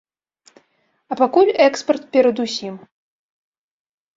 А пакуль экспарт перад усім.